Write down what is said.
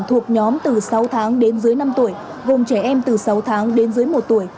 thuộc nhóm từ sáu tháng đến dưới năm tuổi gồm trẻ em từ sáu tháng đến dưới một tuổi